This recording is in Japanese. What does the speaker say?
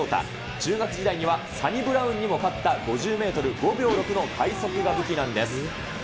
中学時代にはサニブラウンにも勝った５０メートル５秒６の快足が武器なんです。